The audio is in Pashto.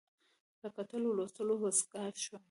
له کتلو او لوستلو وزګار شوم.